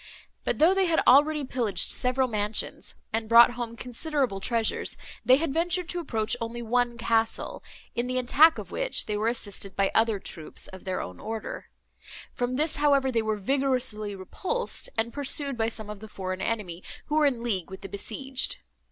But, though they had already pillaged several mansions, and brought home considerable treasures, they had ventured to approach only one castle, in the attack of which they were assisted by other troops of their own order; from this, however, they were vigorously repulsed, and pursued by some of the foreign enemy, who were in league with the besieged.